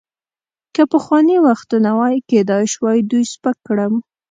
که پخواني وختونه وای، کیدای شوای دوی سپک کړم.